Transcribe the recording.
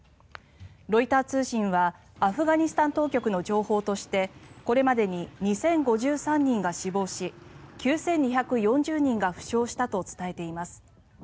ロイター通信はアフガニスタン当局の情報としてこれまでに２０５３人が死亡し９２４０人が負傷したと伝えています。